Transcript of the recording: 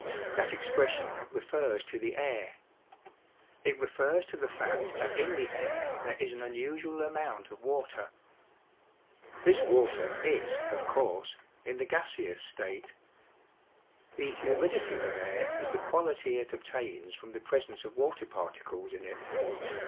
That expression refers to the air. It refers to the fact that in the air there is an unusual amount of water. This water is, of course, in the gaseous state. The humidity of air is the quality it obtains from the presence of water par ticles in it.